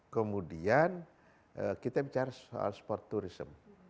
kemudian kita bicara soal sport tourism